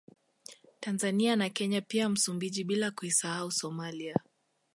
Tanzania na Kenya pia Msumbiji bila kuisahau Somalia